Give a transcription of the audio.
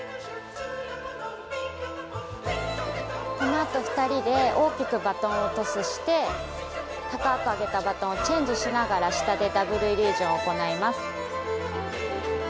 このあと２人で大きくバトンをトスして高く上げたバトンをチェンジしながら下でダブルイリュージョンを行います。